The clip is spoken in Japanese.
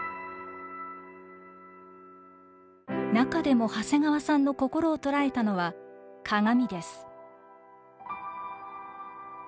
中でも長谷川さんの心を捉えたのは鏡です。